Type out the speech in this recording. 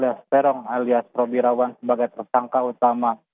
sejak ditetapkannya peggy istiawan alias perong alias robi rawan sebagai tersangka utama